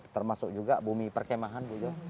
termasuk juga bumi perkemahan bu jo